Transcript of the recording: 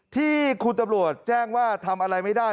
ที่คุณตำรวจแจ้งว่าทำอะไรไม่ได้